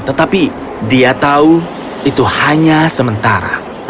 tetapi dia tahu itu hanya sementara